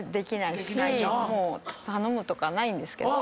もう頼むとかないんですけど。